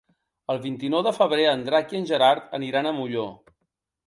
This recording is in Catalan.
El vint-i-nou de febrer en Drac i en Gerard aniran a Molló.